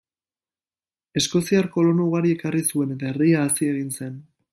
Eskoziar kolono ugari ekarri zuen eta herria hazi egin zen.